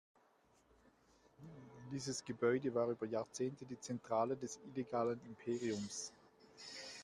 Dieses Gebäude war über Jahrzehnte die Zentrale des illegalen Imperiums.